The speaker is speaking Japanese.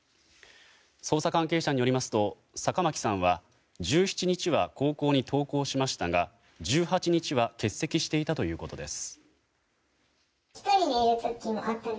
捜査関係者によりますと坂巻さんは１７日は高校に登校しましたが１８日は欠席していたということです。